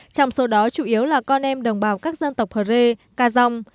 trong số đó chủ yếu là con em đồng bào các dân tộc hờ rê ca dòng